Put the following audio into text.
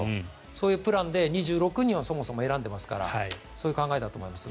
そういうプランで２６人をそもそも選んでますからそういう考えだと思います。